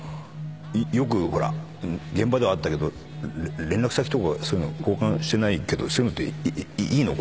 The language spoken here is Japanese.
よく現場では会ったけど連絡先とか交換してないけどそういうのっていいの？